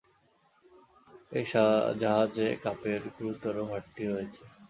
এই জাহাজে কাপের গুরুতর ঘাটতি রয়েছে।